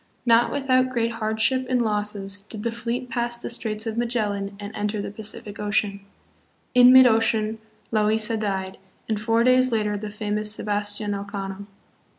Not without great hardship and losses did the fleet pass the Straits of Magellan and enter the Pacific Ocean. In mid ocean Loaisa died, and four days later the famous Sebastian Elcano.